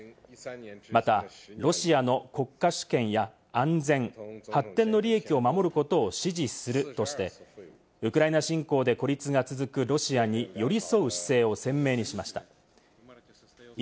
また、ロシアの国家主権や安全、発展の利益を守ることを支持するとして、ウクライナ侵攻で孤立が続くロシアに寄り添う姿勢を鮮明にしました。